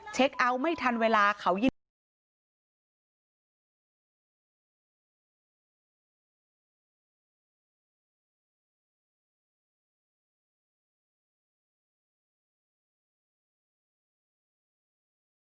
เช็คเอาท์ไม่ทันเวลาเขายินดีค่ะ